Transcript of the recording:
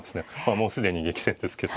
もう既に激戦ですけど。